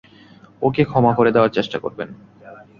ওকে ক্ষমা করে দেয়ার চেষ্টা করবেন।